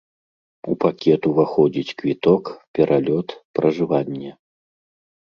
У пакет уваходзіць квіток, пералёт, пражыванне.